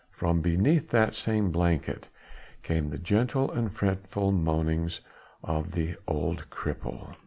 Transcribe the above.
From beneath that same blanket came the gentle and fretful moanings of the old cripple.